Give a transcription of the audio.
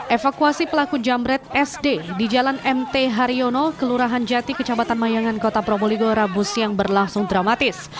evakuasi pelaku jamret sd di jalan mt haryono kelurahan jati kecamatan mayangan kota probolinggo rabu siang berlangsung dramatis